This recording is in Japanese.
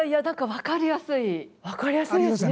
分かりやすいですね。